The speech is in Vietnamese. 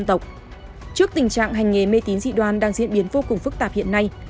trước tình trạng hành nghề mê tín dị đoan đang diễn biến vô cùng phức tạp hiện nay